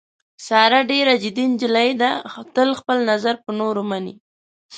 ساره ډېره ضدي نجیلۍ ده، تل خپل نظر په نورو مني.